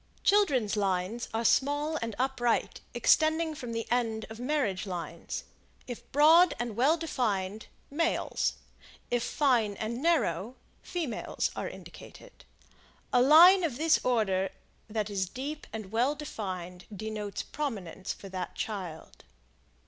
Children's Lines are small and upright, extending from the end of Marriage Lines. If broad and well defined, males; if fine and narrow, females are indicated. A line of this order that is deep and well defined denotes prominence for that child.